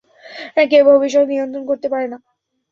কেউ ভবিষ্যত নিয়ন্ত্রণ করতে পারে না।